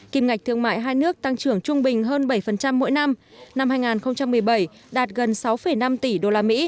kim ngạch thương mại hai nước tăng trưởng trung bình hơn bảy mỗi năm năm hai nghìn một mươi bảy đạt gần sáu năm tỷ usd